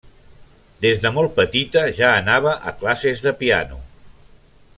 Des de molt petita ja anava a classes de piano.